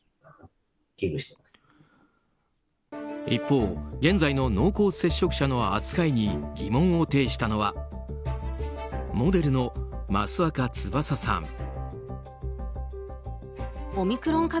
一方、現在の濃厚接触者の扱いに疑問を呈したのはモデルの益若つばささん。